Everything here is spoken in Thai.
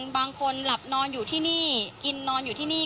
บางคนหลับนอนอยู่ที่นี่กินนอนอยู่ที่นี่